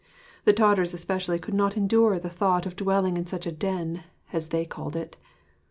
The daughters especially could not endure the thought of dwelling in such a den (as they called it).